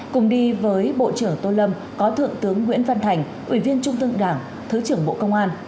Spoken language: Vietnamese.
cùng đi với bộ trưởng tô lâm có thượng tướng nguyễn văn thành ủy viên trung ương đảng thứ trưởng bộ công an